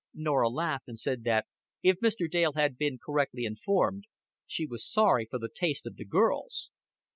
Norah laughed, and said that, if Mr. Dale had been correctly informed, she was sorry for the taste of the girls.